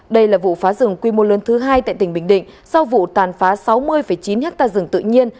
đây là vụ phá rừng quy mô lớn thứ hai tại tỉnh bình định sau vụ tàn phá sáu mươi chín ha rừng tự nhiên